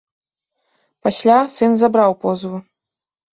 Пасля сын забраў позву.